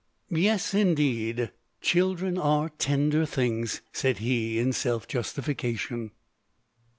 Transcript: "Yes, indeed, children are tender things," said he in self justification.